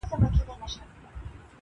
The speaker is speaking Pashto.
چي تر كلكو كاڼو غاښ يې وي ايستلى-